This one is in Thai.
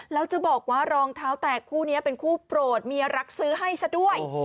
แล้วจะบอกว่ารองเท้าแตกคู่นี้เป็นคู่โปรดเมียรักซื้อให้ซะด้วย